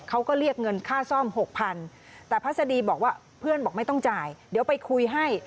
เขาก็เรียกเงินค่าซ่อมหกพันแต่พัศดีบอกว่าเพื่อนบอกไม่ต้องจ่ายเดี๋ยวไปคุยให้